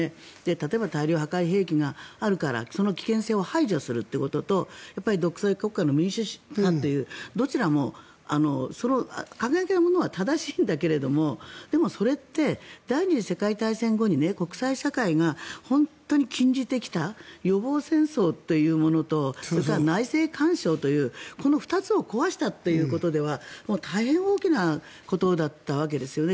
例えば、大量破壊兵器があるからその危険性を排除するということと独裁国家の民主主義化というどちらも過激なものは正しいんだけどでも、それって第２次世界大戦後に国際社会が本当に禁じてきた予防戦争というものとそれから内政干渉というこの２つを壊したということでは大変大きなことだったわけですよね。